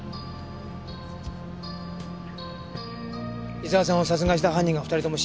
伊沢さんを殺害した犯人が２人とも死んだ